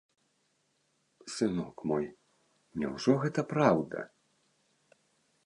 Сынок мой, няўжо гэта праўда?